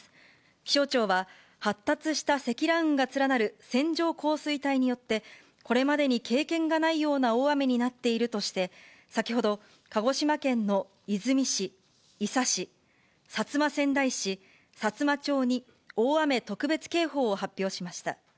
気象庁は、発達した積乱雲が連なる線状降水帯によって、これまでに経験がないような大雨になっているとして、先ほど、鹿児島県の出水市、伊佐市、薩摩川内市、さつま町に大雨特別警報を発表しました。